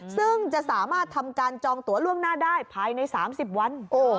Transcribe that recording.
ซึ่งจะสามารถทำการจองตัวล่วงหน้าได้ภายใน๓๐วัน